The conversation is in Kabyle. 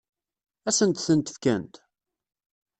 Ad sent-tent-fkent?